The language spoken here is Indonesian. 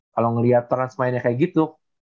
kalau ngeliat ranz mainnya kayak gitu